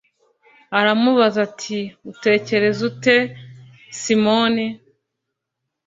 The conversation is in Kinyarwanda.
aramubaza ati “Utekereza ute Simoni?